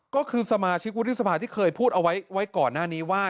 ก็คือสมาชิกวุฒิสภาที่เคยพูดเอาไว้ก่อนหน้านี้ว่า